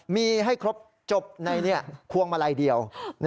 มีให้ครบจบในพวงมาลัยเดียว